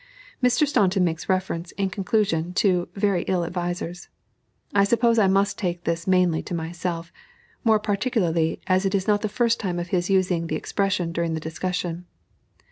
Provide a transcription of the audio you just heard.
Mr. Staunton makes reference, in conclusion, to "very ill advisers." I suppose I must take this mainly to myself, more particularly as it is not the first time of his using the expression during the discussion.